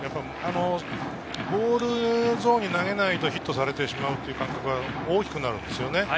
ボールゾーンに投げないとヒットされてしまうという感覚は大きくなるんですよね。